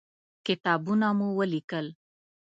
کتابونه مې ولیکل.